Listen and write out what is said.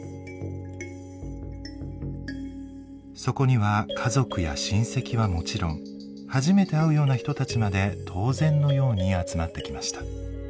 そこには家族や親戚はもちろん初めて会うような人たちまで当然のように集まってきました。